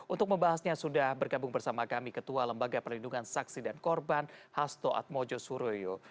untuk membahasnya sudah bergabung bersama kami ketua lembaga perlindungan saksi dan korban hasto atmojo suroyo